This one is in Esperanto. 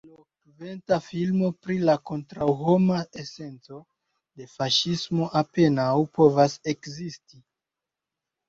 Pli elokventa filmo pri la kontraŭhoma esenco de faŝismo apenaŭ povas ekzisti.